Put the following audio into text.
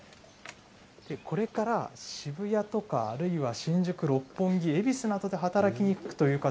これから渋谷とかあるいは新宿、六本木、恵比寿などへ働きに行くという方